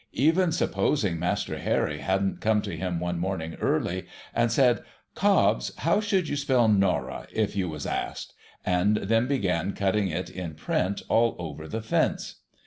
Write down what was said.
Even supposing IVLaster Harry hadn't come to him one morning early, and said, ' Cobbs, how should you spell Norah, if you was asked ?' and then began cutting it in print all over the fence.